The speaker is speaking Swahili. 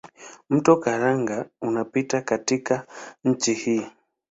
Mto Karanga unapita katika nchi hii.